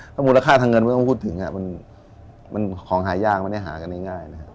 ถ้ามูลค่าทางเงินไม่ต้องพูดถึงมันของหายากไม่ได้หากันง่ายนะครับ